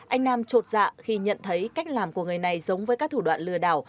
anh nam trột dạ khi nhận thấy cách làm của người này giống với các thủ đoạn lừa đảo